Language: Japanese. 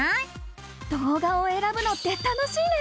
動画をえらぶのって楽しいね！